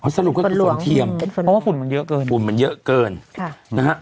สรุปก็คือส่วนเทียมเพราะว่าฝุ่นมันเยอะเกิน